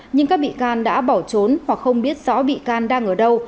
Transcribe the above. nhưng các bị can đã bỏ trốn hoặc không biết rõ bị can đang ở đâu